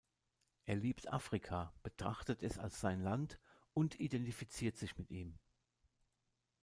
Er liebt Afrika, betrachtet es als sein Land und identifiziert sich mit ihm.